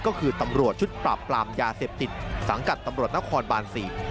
ก็คือตำรวจชุดปราบปรามยาเสพติดสังกัดตำรวจนครบาน๔